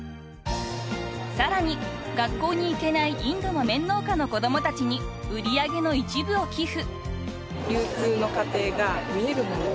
［さらに学校に行けないインドの綿農家の子供たちに売り上げの一部を寄付］